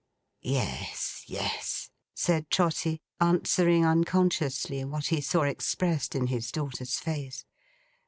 'Yes, yes,' said Trotty, answering unconsciously what he saw expressed in his daughter's face.